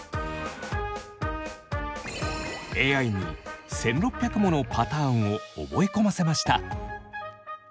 ＡＩに１，６００ものパターンを覚え込ませました。